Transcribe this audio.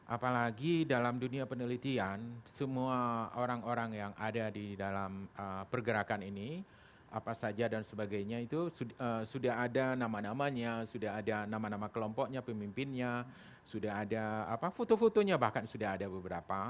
apalagi dalam dunia penelitian semua orang orang yang ada di dalam pergerakan ini apa saja dan sebagainya itu sudah ada nama namanya sudah ada nama nama kelompoknya pemimpinnya sudah ada foto fotonya bahkan sudah ada beberapa